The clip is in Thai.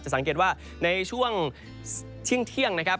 สังเกตว่าในช่วงเที่ยงนะครับ